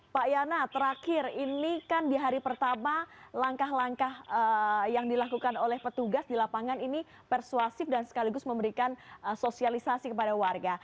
pak yana terakhir ini kan di hari pertama langkah langkah yang dilakukan oleh petugas di lapangan ini persuasif dan sekaligus memberikan sosialisasi kepada warga